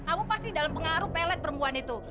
kamu pasti dalam pengaruh pellet perempuan itu